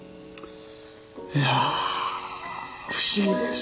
いやあ不思議です。